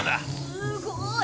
すごーい！